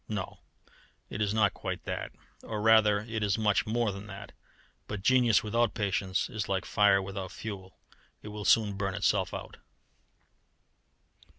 No, it is not quite that, or, rather, it is much more than that; but genius without patience is like fire without fuel it will soon burn itself out.